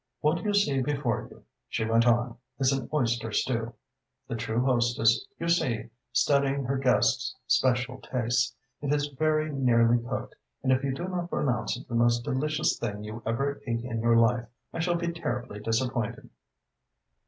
"What you see before you," she went on, "is an oyster stew. The true hostess, you see, studying her guest's special tastes. It is very nearly cooked and if you do not pronounce it the most delicious thing you ever ate in your life, I shall be terribly disappointed."